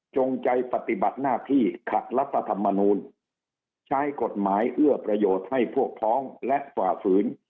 จงใจปฏิบัติหน้าที่ขัดรัฐธรรมนูลใช้กฎหมายเอื้อประโยชน์ให้พวกพ้องและฝ่าฝืน